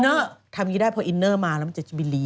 ทำอย่างนี้ได้เพราะอินเนอร์มาก็มันจะมีฤทธิ์